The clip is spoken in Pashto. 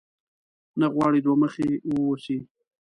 نه غواړې دوه مخی واوسې؟